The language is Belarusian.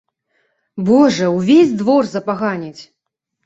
Божа, увесь двор запаганіць!